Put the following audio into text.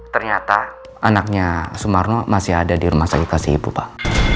ternyata anaknya sumarno masih ada di rumah sakit kasih ibu pak